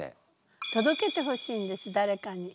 届けてほしいんですだれかに。